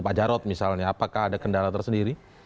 pak jarod misalnya apakah ada kendala tersendiri